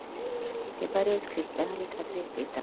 მდებარეობს ქრისტიანული ტაძრის პირდაპირ.